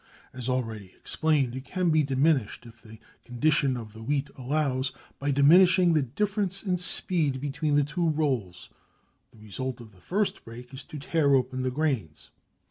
As already explained it can be diminished, if the condition of the wheat allows, by diminishing the difference in speed between the two rolls. The result of the first break is to tear open the grains.